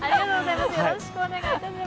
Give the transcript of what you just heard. よろしくお願いします。